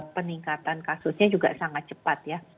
peningkatan kasusnya juga sangat cepat ya